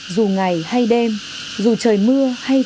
dù ngày hay đêm dù trời mưa hay trời